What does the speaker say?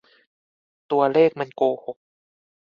ตัวเลขมันโกหก !